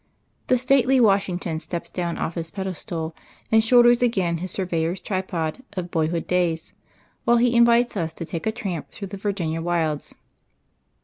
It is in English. The stately Washington steps down off his pedestal, and shoulders again his surveyor's tripod of boyhood days, while he invites us to take a tramp through the Virginia wilds.